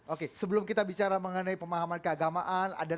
oke sebelum kita bicara mengenai pemahaman keagamaan